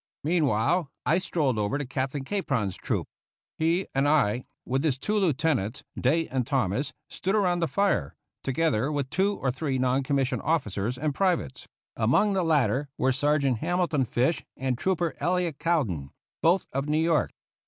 Meanwhile I strolled over to Captain Capron's troop. He and I, with his two lieutenants, Day and Thomas, stood around the fire, together with two or three non commissioned officers and privates; among the latter were Sergeant Hamilton Fish and Trooper Elliot Cowdin, both of New York.